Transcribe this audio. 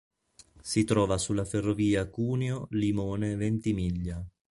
Si trova sulla Ferrovia Cuneo-Limone-Ventimiglia.